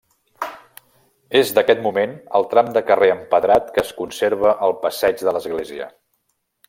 És d'aquest moment el tram de carrer empedrat que es conserva al passeig de l'Església.